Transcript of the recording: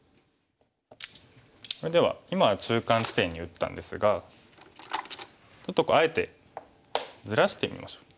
それでは今は中間地点に打ったんですがちょっとあえてずらしてみましょう。